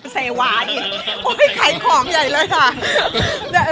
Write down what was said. เซวานี่ไขของใหญ่เลยค่ะ